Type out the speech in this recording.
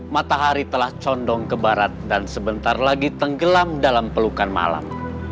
matahari telah condong ke barat dan sebentar lagi tenggelam dalam pelukan malam